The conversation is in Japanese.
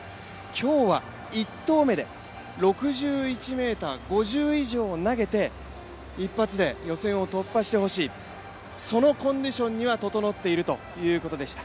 今日は１投目で６１ｍ５０以上を投げて一発で予選を突破してほしい、そのコンディションには整っているということでした。